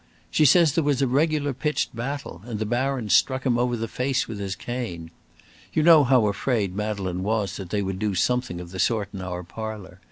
She says there was a regular pitched battle, and the Baron struck him over the face with his cane. You know how afraid Madeleine was that they would do something of the sort in our parlour.